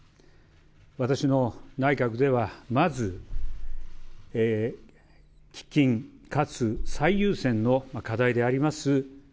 私の内閣ではまず、喫緊、かつ最優先の課題であります